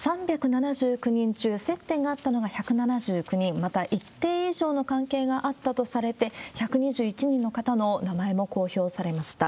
３７９人中、接点があったのが１７９人、また、一定以上の関係があったとされて、１２１人の方の名前も公表されました。